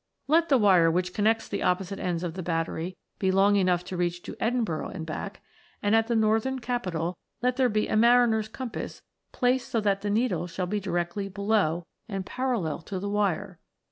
Let the wire which connects the opposite ends ot the battery be long enough to reach to Edinburgh and back ; and at the northern capital let there be a mariner's compass placed so that the needle shall be directly below, and parallel to the wire.